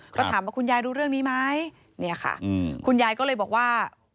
ก็ถามว่าคุณยายรู้เรื่องนี้ไหมเนี่ยค่ะคุณยายก็เลยบอกว่า